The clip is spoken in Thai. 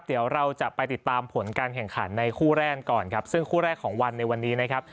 เดี๋ยวเราจะไปติดตามผลการแข่งขันในคู่แรกก่อนครับซึ่งคู่แรกของวันในวันนี้นะครับ